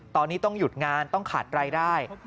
ตอนนี้ต้องหยุดงานต้องขาดรายได้